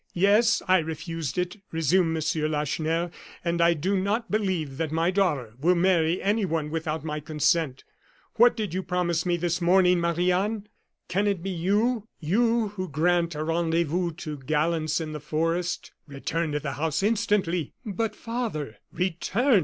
"Yes, I refused it," resumed M. Lacheneur, "and I do not believe that my daughter will marry anyone without my consent. What did you promise me this morning, Marie Anne? Can it be you, you who grant a rendezvous to gallants in the forest? Return to the house, instantly " "But father " "Return!"